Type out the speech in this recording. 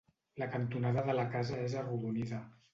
La cantonada de la casa és arrodonida.